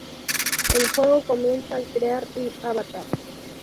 El juego comienza al crear a un Avatar.